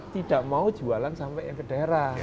tidak mau jualan sampai ke daerah